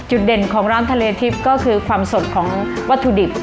เด่นของร้านทะเลทิพย์ก็คือความสดของวัตถุดิบ